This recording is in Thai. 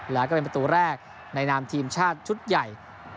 แล้วก็เป็นประตูแรกในนามทีมชาติชุดใหญ่